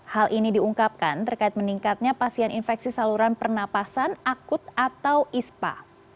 hal ini diungkapkan terkait meningkatnya pasien infeksi saluran pernapasan akut atau ispa